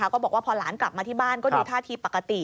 ก็บอกว่าพอหลานกลับมาที่บ้านก็ดูท่าทีปกติ